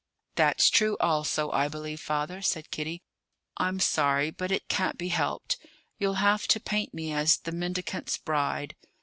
"That's true also, I believe, father," said Kitty. "I'm sorry; but it can't be helped. You'll have to paint me as 'The Mendicant's Bride.'"